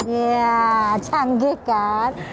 iya canggih kan